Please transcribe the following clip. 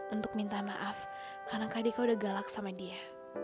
untuk minta maaf karena kak dika udah galak sama dia